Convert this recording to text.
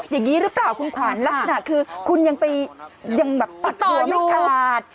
อย่างนี้หรือเปล่าคุณขวัญลักษณะคือคุณยังไปยังแบบตัดตัวไม่ขาด